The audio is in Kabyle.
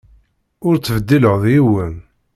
Ur ttbeddileɣ yiwen.